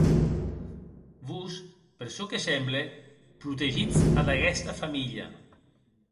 Vos, per çò que semble protegitz ad aguesta familha.